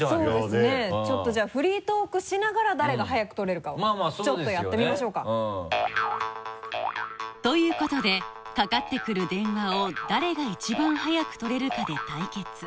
そうですねちょっとじゃあフリートークしながら誰が速く取れるかをちょっとやってみましょうか。ということでかかってくる電話を誰が一番速く取れるかで対決